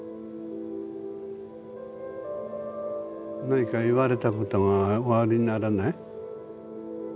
何か言われたことがおありにならない？